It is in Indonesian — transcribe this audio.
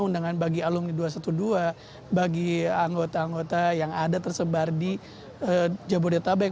undangan bagi alumni dua ratus dua belas bagi anggota anggota yang ada tersebar di jabodetabek